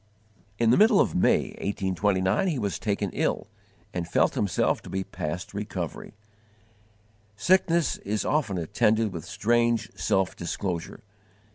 In the middle of May, 1829, he was taken ill and felt himself to be past recovery. Sickness is often attended with strange _self disclosure.